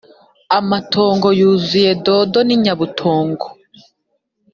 amatongo yuzuye dodo n’inyabutongo